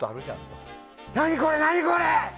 何これ、何これ！